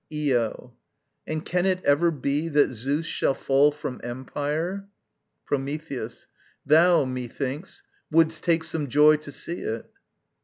Io. And can it ever be That Zeus shall fall from empire? Prometheus. Thou, methinks, Wouldst take some joy to see it.